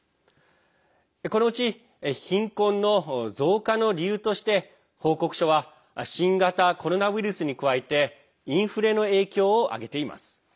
このうち貧困の増加の理由として報告書は新型コロナウイルスに加えてインフレの影響を挙げています。